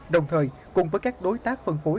đồng thời cùng với các đối tác phân phối